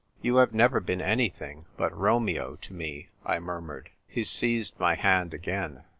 " You have never been anything but Romeo to me," I murmured. He seized my hand again.